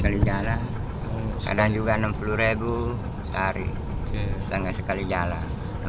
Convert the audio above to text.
kali jalan kadang juga enam puluh sehari setengah sekali jalan